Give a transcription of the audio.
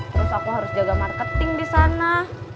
terus aku harus jaga marketing disana